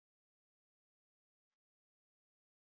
چې د ځنګل نهالان وژني تبر په لاس بیده دی